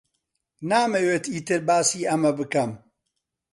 نامەوێت ئیتر باسی ئەمە بکەم.